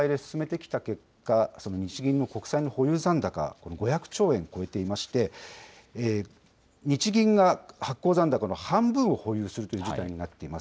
黒田総裁の下で国債の買い入れを進めてきた結果、日銀の国債の保有残高、５００兆円超えていまして、日銀が発行残高の半分を保有するという事態になっています。